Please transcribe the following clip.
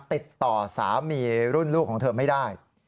ติดต่อสามีรุ่นลูกของเธอไม่ได้